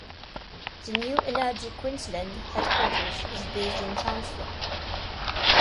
The new Energy Queensland headquarters is based in Townsville.